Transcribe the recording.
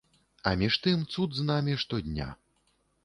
А між тым, цуд з намі штодня.